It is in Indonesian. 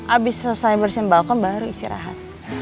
abis selesai bersin balkon baru istirahat